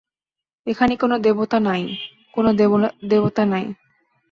এখানে কোনো দেবতা নাই, কোনো দেবতা নাই।